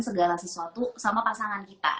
segala sesuatu sama pasangan kita